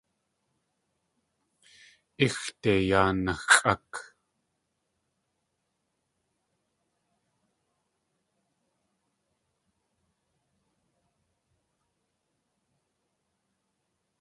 Íxde yaa naxʼák.